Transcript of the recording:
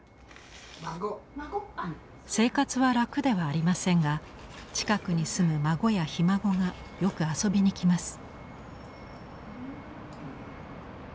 生活は楽ではありませんが近くに住む孫やひ孫がよく遊びに来ます。